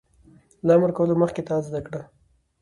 - له امر کولو مخکې اطاعت زده کړه.